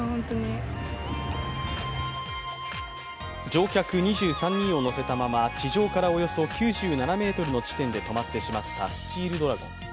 乗客２３人を乗せたまま、地上からおよそ９７ｍの地点で止まってしまったスチールドラゴン。